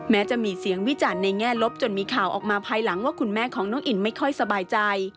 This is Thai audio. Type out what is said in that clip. แม้จะมีเสียงวิจารณ์ในแง่ลบจนมีข่าวออกมาภายหลังว่าคุณแม่ของน้องอินไม่ค่อยสบายใจ